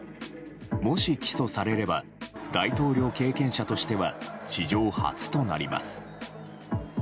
もし起訴されれば大統領経験者としては史上初となります。